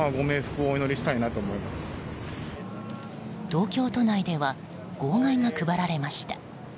東京都内では号外が配られました。